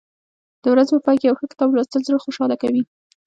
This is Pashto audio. د ورځې په پای کې یو ښه کتاب لوستل زړه خوشحاله کوي.